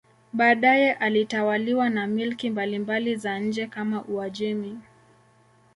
Baadaye ilitawaliwa na milki mbalimbali za nje kama Uajemi.